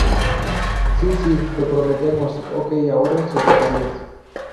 ¡ Sí! ¡ sí! ¡ lo prometemos! ¡ ok! ahorren sus baterías.